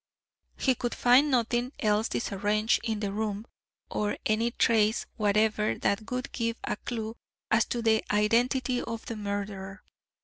He could find nothing else disarranged in the room, or any trace whatever that would give a clue as to the identity of the murderer.